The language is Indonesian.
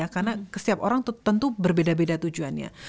karena setiap orang tentu berbeda beda tujuannya